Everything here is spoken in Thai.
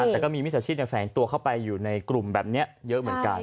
แต่ก็มีมิจฉาชีพแฝงตัวเข้าไปอยู่ในกลุ่มแบบนี้เยอะเหมือนกัน